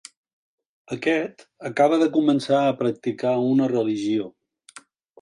Aquest acaba de començar a practicar una religió.